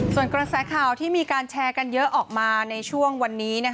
ส่วนกระแสข่าวที่มีการแชร์กันเยอะออกมาในช่วงวันนี้